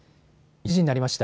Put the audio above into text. １時になりました。